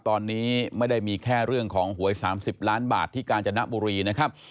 ตอนนี้ไม่ได้มีแค่เรื่องของหวย๓๐ล้านบาทที่กาญจนบุรีนะครับ